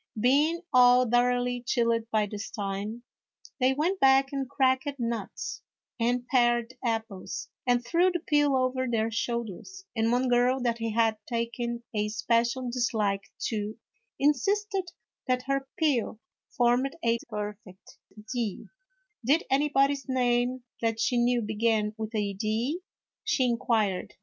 Being all thoroughly chilled by this time, they went back and cracked nuts and pared apples, and threw the peel over their shoulders; and one girl that he had taken a special dislike to, insisted that her peel formed a perfect I), "did anybody's name that she knew begin with a I)?" she inquired.